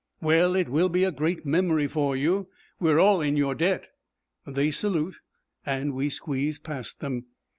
'Well, it will be a great memory for you. We are all in your debt.' They salute, and we squeeze past them.